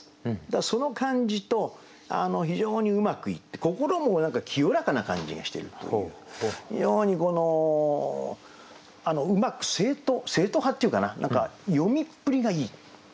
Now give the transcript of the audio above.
だからその感じと非常にうまく言って心も何か清らかな感じがしてるという非常にうまく正統派っていうかな何か詠みっぷりがいい。